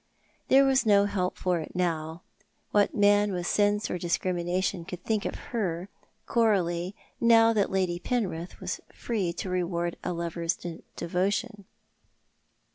There was no help for it now. What man with sense or discrimination could think of her, Coralie, now that Lady Penrith was free to reward a lover's devotion